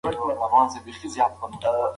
موږ باید د نورو خلکو واک ته درناوی وکړو.